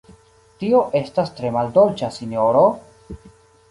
Tio estas tre maldolĉa, sinjoro!